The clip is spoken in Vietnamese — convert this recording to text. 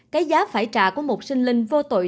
cái giá phải trả của một sinh linh vô tội